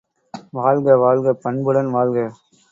வாழ்க வாழ்க பண்புடன் வாழ்க!